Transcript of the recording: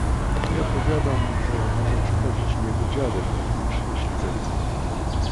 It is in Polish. "Ja powiadam, że może przychodzić i jego dziadek również, jeżeli zechce."